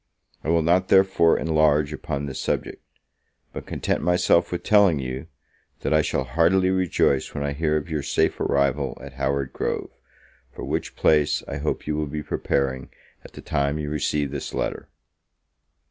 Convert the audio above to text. I will not, therefore, enlarge upon this subject; but content myself with telling you, that I shall heartily rejoice when I hear of your safe arrival at Howard Grove, for which place I hope you will be preparing at the time you receive this letter.